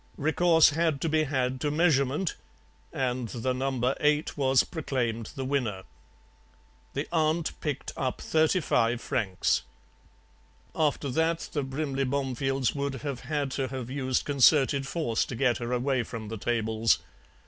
Recourse had to be had to measurement, and the number eight was proclaimed the winner. The aunt picked up thirty five francs. After that the Brimley Bomefields would have had to have used concerted force to get her away from the tables.